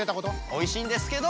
「おいしいんですけど」